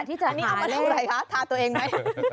แต่อันนี้เอามาทอแล้วแหล่ะคะทาตัวเองไหม